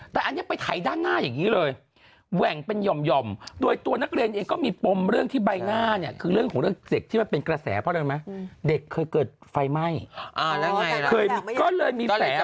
ถ้าสมมติถ่ายด้านหลังก็ยังโอเคแต่อันนี้ไปถ่ายด้านหน้าอย่างนี้เลย